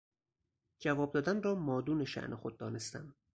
جواب دادن را مادون شان خود دانستم.